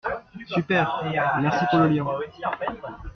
Super, merci pour le lien.